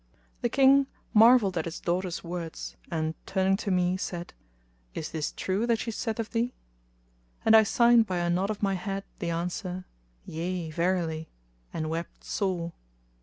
The King marvelled at his daughter's words and, turning to me, said, "Is this true that she saith of thee?"; and I signed by a nod of my head the answer, "Yea, verily;" and wept sore.